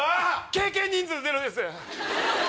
経験人数ゼロです。